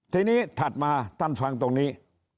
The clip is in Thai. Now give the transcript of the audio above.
ทีนี้ถัดมาท่านฟังตรงนี้